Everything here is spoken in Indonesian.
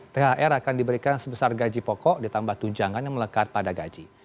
thr akan diberikan sebesar gaji pokok ditambah tunjangan yang melekat pada gaji